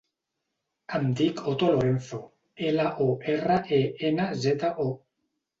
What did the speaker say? Em dic Oto Lorenzo: ela, o, erra, e, ena, zeta, o.